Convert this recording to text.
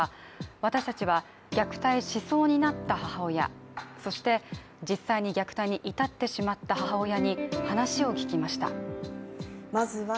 私たちは、虐待しそうになった母親、そして実際に虐待に至ってしまった母親に話を聞きました。